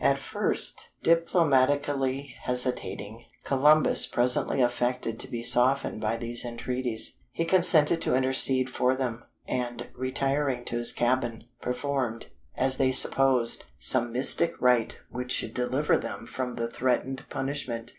At first, diplomatically hesitating, Columbus presently affected to be softened by their entreaties. He consented to intercede for them; and, retiring to his cabin, performed, as they supposed, some mystic rite which should deliver them from the threatened punishment.